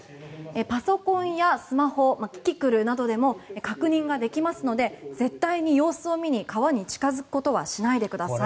パソコンやスマホキキクルなどでも確認ができますので絶対に様子を見に川に近付くことはしないでください。